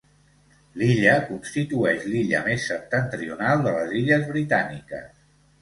L'illa constitueix l'illa més septentrional de les Illes Britàniques.